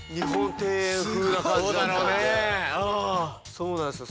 そうなんですよ。